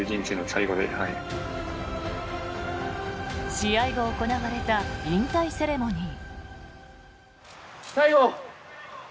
試合後、行われた引退セレモニー。